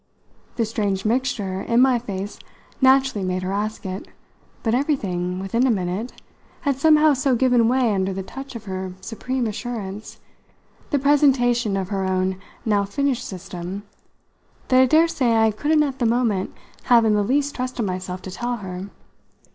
The strange mixture in my face naturally made her ask it, but everything, within a minute, had somehow so given way under the touch of her supreme assurance, the presentation of her own now finished system, that I dare say I couldn't at the moment have in the least trusted myself to tell her.